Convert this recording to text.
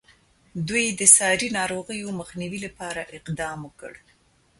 دوی د ساري ناروغیو مخنیوي لپاره اقدام وکړ.